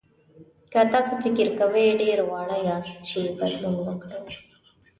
که تاسو فکر کوئ ډېر واړه یاست چې بدلون وکړئ.